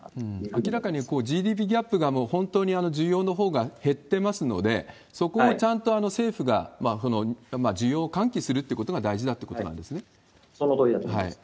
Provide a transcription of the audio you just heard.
明らかにＧＤＰギャップが、本当に需要のほうが減ってますので、そこをちゃんと政府が需要を喚起するということが大事だというこそのとおりだと思います。